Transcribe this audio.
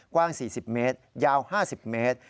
กว้าง๔๐เมตรยาว๕๐เมตร